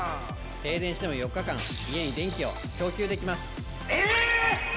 停電しても４日間家に電気を供給できます！